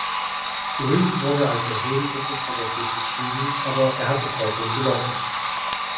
Reed wurde als erhebend und introvertiert beschrieben, aber er hat es seitdem geleugnet.